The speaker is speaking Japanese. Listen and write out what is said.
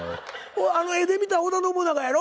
絵で見たら織田信長やろ？